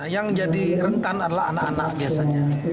yang jadi rentan adalah anak anak biasanya